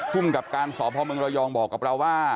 กุ้มกับการสอบภอมเมืองระยองบอกกับเราว่า